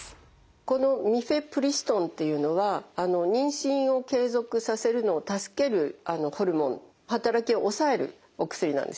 このミフェプリストンっていうのは妊娠を継続させるのを助けるホルモンの働きを抑えるお薬なんですね。